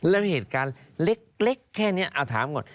แล้วเหตุการณ์เล็กแค่นี้เอาถามก่อน